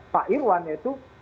pak irwan yaitu